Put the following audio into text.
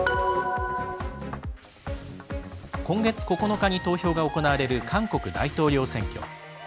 今月９日に投票が行われる韓国大統領選挙。